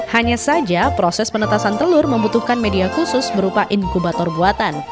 hanya saja proses penetasan telur membutuhkan media khusus berupa inkubator buatan